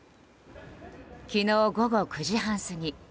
昨日午後９時半過ぎ。